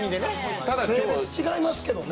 性別違いますけどね。